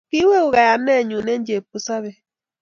ki iweku kayanenyu eng chepkusobei